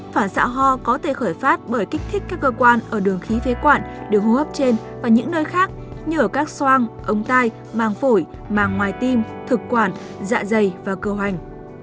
phản xạ ho có thể khởi phát bởi kích thích các cơ quan ở đường khí phế quản đường hô hấp trên và những nơi khác như ở các soang ống tai mang phổi màng ngoài tim thực quản dạ dày và cơ hoành